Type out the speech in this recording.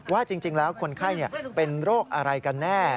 ว่าจริงแล้วคนไข้เป็นโรคอะไรกันแน่